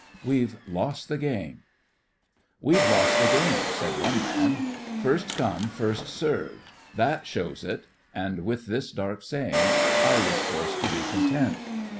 'WE'VE LOST THE GAME' 'We've lost the game,' said one man. 'First come first served. That shows it,' and with this dark saying I was forced to be content.